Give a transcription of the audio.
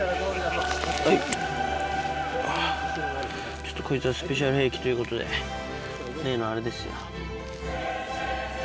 ちょっとこいつはスペシャル兵器ということで、例のあれですよ。